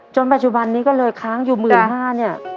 ปัจจุบันนี้ก็เลยค้างอยู่๑๕๐๐เนี่ย